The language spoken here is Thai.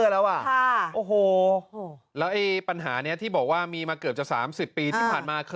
แล้วปัญหานี้ที่บอกว่ามีมาเกือบสามสิบปีที่ผ่านมา